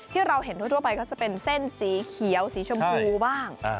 ที่เราเห็นทั่วไปก็จะเป็นเส้นสีเขียวสีชมพูบ้าง